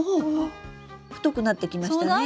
太くなってきましたね。